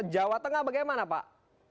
jawa tengah bagaimana pak